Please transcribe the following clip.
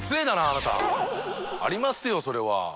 あなた！ありますよそれは。